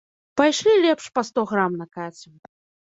Пайшлі лепш па сто грам накацім.